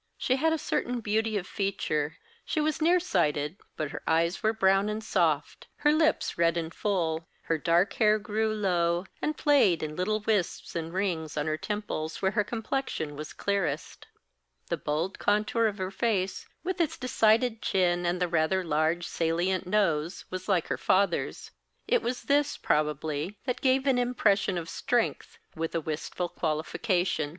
She had a certain beauty of feature; she was near sighted; but her eyes were brown and soft, her lips red and full; her dark hair grew low, and played in little wisps and rings on her temples, where her complexion was clearest; the bold contour of her face, with its decided chin and the rather large salient nose, was like her father's; it was this, probably, that gave an impression of strength, with a wistful qualification.